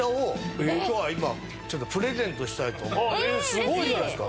すごいじゃないですか。